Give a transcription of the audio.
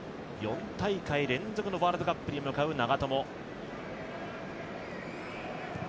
４大会連続のワールドカップに向かう長友。